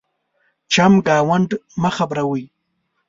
چمګاونډ مه خبرَوئ.